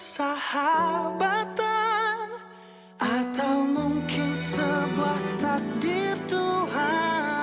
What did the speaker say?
sahabatan atau mungkin sebuah takdir tuhan